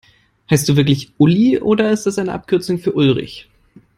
Heißt du wirklich Uli, oder ist das die Abkürzung für Ulrich?